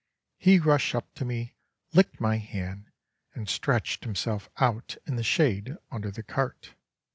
He rushed up to me, licked my hand, and stretched himself out in the shade under the cart.